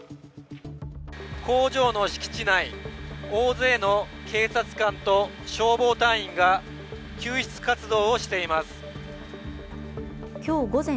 工場の敷地内、大勢の警察官と消防隊員が救出活動をしています。